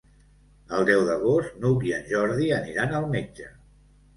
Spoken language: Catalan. El deu d'agost n'Hug i en Jordi aniran al metge.